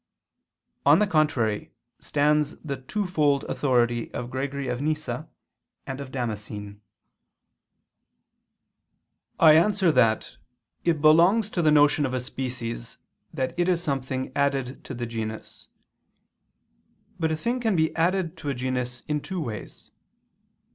On the contrary, stands the twofold authority of Gregory of Nyssa [*Nemesius] and of Damascene. I answer that, It belongs to the notion of a species that it is something added to the genus. But a thing can be added to a genus in two ways.